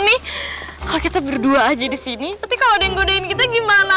nih kalo kita berdua aja disini nanti kalo ada yang godein kita gimana